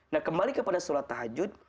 nah kembali kepada sholat tahajud